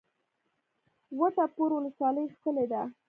وټه پور ولسوالۍ ښکلې ده؟